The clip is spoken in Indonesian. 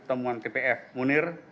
temuan tpf munir